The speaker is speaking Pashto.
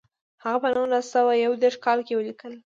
هغه په نولس سوه یو دېرش کال کې ولیکل.